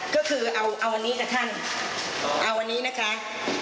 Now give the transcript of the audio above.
ก็คือเอาอันนี้กับท่านเอาวันนี้นะคะ